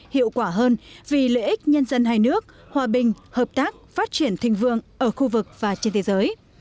hiệu quả hơn vì lợi ích nhân dân hai nước hòa bình hợp tác phát triển thịnh vượng ở khu vực và trên thế giới